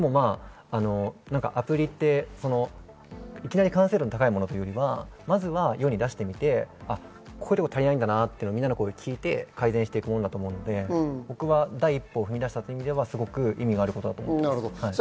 アプリっていきなり完成度の高いものというより、まずは世に出してみて、こういうところが足りないんだなというのを聞いて改善していくものだと思うので僕は第一歩を踏み出したという意味では意味があることだと思います。